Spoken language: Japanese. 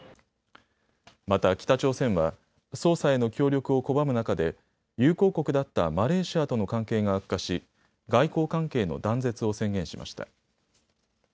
また北朝鮮は捜査への協力を拒む中で友好国だったマレーシアとの関係が悪化し外交関係の断絶を宣言しました。